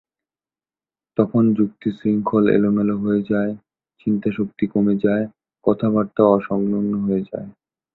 তখন যুক্তিশৃঙ্খল এলোমেলো হয়ে যায়, চিন্তাশক্তি কমে যায়, কথাবার্তাও অসংলগ্ন হয়ে যায়।